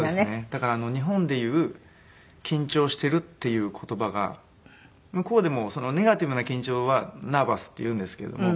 だから日本でいう「緊張してる」っていう言葉が向こうでもネガティブな緊張は「ナーバス」っていうんですけども。